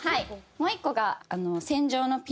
もう１個が。